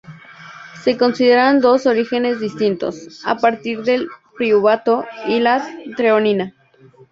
Se consideran dos orígenes distintos: a partir del piruvato y la treonina.